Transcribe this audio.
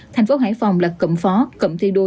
thành phố hải phòng là cộng phó cộng thi đua